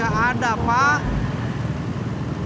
gak ada pak